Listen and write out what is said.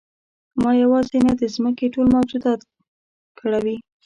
ما یوازې نه د ځمکې ټول موجودات کړوي.